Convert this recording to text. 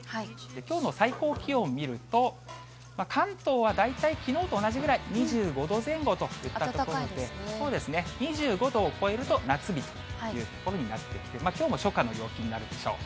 きょうの最高気温見ると、関東は大体きのうと同じぐらい、２５度前後といったところで、２５度を超えると夏日というところになってきて、きょうも初夏の陽気になるでしょう。